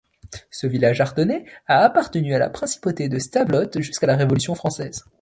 Ce village ardennais a appartenu à la principauté de Stavelot jusqu'à la Révolution française.